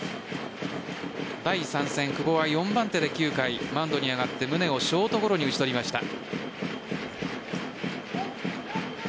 第３戦、久保は４番手で９回、マウンドに上がって宗をショートゴロに打ち取りました。